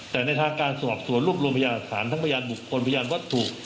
แต่ในทางการสวบสวนรูปรวมพยาศาสตร์ทั้งพยานบุคคลพยานวัตถุ